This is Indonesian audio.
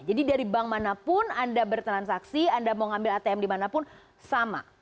jadi dari bank manapun anda bertransaksi anda mau ngambil atm dimanapun sama